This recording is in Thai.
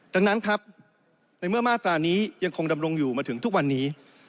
ดังนั้นครับในเมื่อมาตรานี้ยังคงดำรงอยู่มาถึงทุกวันนี้